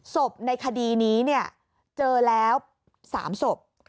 ศพในคดีนี้เจอแล้ว๓ศพ